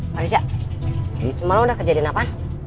marisa ini semalam udah kejadian apa